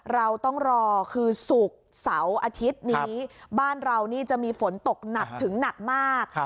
เราต้องรอคือศุกร์เสาร์อาทิตย์นี้บ้านเรานี่จะมีฝนตกหนักถึงหนักมาก